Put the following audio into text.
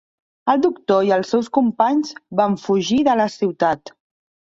El doctor i el seus companys van fugir de la ciutat.